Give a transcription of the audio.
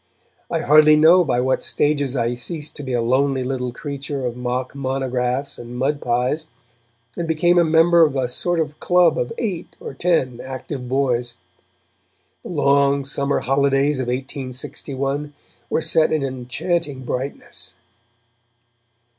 I hardly know by what stages I ceased to be a lonely little creature of mock monographs and mud pies, and became a member of a sort of club of eight or ten active boys. The long summer holidays of 1861 were set in an enchanting brightness.